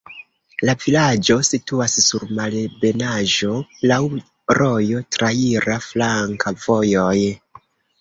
La vilaĝo situas sur malebenaĵo, laŭ rojo, traira flanka vojoj.